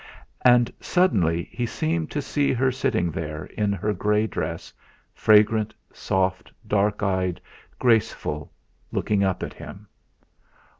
And suddenly he seemed to see her sitting there in her grey dress, fragrant, soft, dark eyed, graceful, looking up at him.